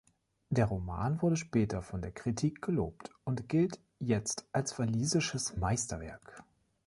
Der Roman wurde später von der Kritik gelobt und gilt jetzt als walisisches Meisterwerk.